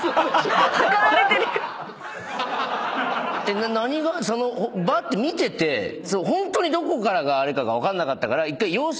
な何がそのばって見ててホントにどこからがあれかが分かんなかったから。